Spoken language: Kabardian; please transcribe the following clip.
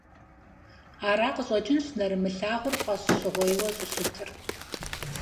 Ара къыщӀэкӀынщ нэрымылъагъур фӀэщщӀыгъуейуэ щӀыщытыр.